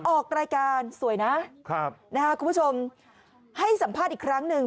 ออกรายการสวยนะครับคุณผู้ชมให้สัมภาษณ์อีกครั้งหนึ่ง